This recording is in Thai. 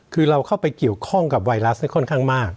คือเราเข้าไปเกี่ยวข้องกับไวรัสค่อนข้างมาก